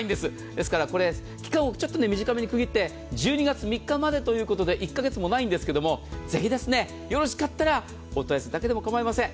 ですから期間を短めに区切って１２月３日までということで１カ月もないんですがぜひ、よろしかったらお問い合わせだけでも構いません。